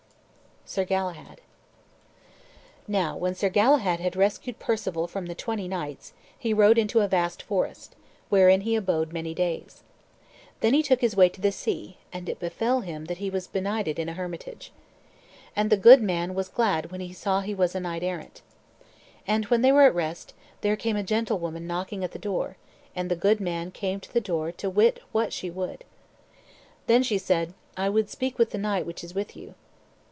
SIR GALAHAD Now, when Sir Galahad had rescued Perceval from the twenty knights, he rode into a vast forest, wherein he abode many days. Then he took his way to the sea, and it befell him that he was benighted in a hermitage. And the good man was glad when he saw he was a knight errant. And when they were at rest, there came a gentlewoman knocking at the door; and the good man came to the door to wit what she would. Then she said, "I would speak with the knight which is with you."